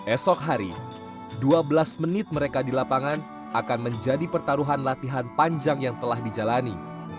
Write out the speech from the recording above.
esok hari dua belas menit mereka di lapangan akan menjadi pertaruhan latihan panjang yang telah dijalani